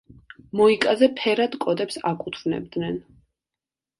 მოიკაზე ფერად კოდებს აკუთვნებდნენ.